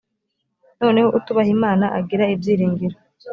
noneho utubaha imana agira byiringiro